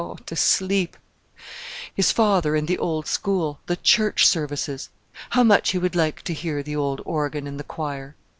to sleep!... His father, and the old school, the church services! How much he would like to hear the old organ and the choir!...